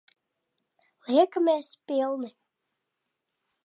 Liekamies pilni.